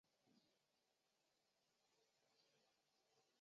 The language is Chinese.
伊比科阿拉是巴西巴伊亚州的一个市镇。